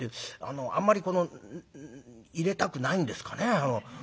あんまり入れたくないんですかね。